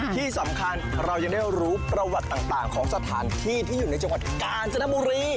ที่สำคัญเรายังได้รู้ประวัติต่างของสถานที่ที่อยู่ในจังหวัดกาญจนบุรี